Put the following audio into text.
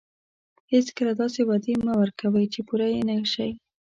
هیڅکله داسې وعدې مه ورکوئ چې پوره یې نه شئ.